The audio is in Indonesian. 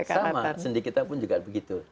sama sendi kita pun juga begitu